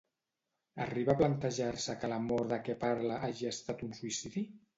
Arriba a plantejar-se que la mort de què parla hagi estat un suïcidi?